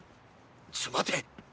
ちょ待て。